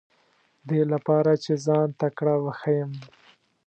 دې لپاره چې ځان تکړه وښیم.